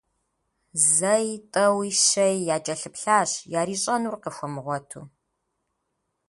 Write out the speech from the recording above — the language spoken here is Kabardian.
Зэи, тӏэуи, щэи якӏэлъыплъащ, ярищӏэнур къыхуэмыгъуэту.